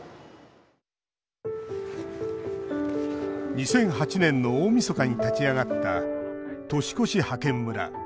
２００８年の大みそかに立ち上がった年越し派遣村。